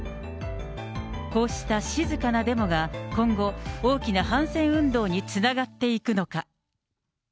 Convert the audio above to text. こうした静かなデモが今後、大きな反戦運動につながっていくのか。